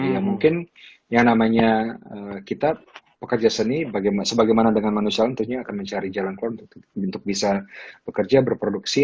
ya mungkin yang namanya kita pekerja seni sebagaimana dengan manusia tentunya akan mencari jalan keluar untuk bisa bekerja berproduksi